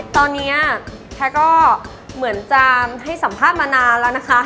ตอนนี้แพทย์ก็เหมือนจะให้สัมภาษณ์มานานแล้วนะคะ